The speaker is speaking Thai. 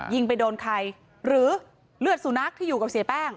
ยิงไปโดนใครหรือเลือดสุนัขที่อยู่กับเสียแป้ง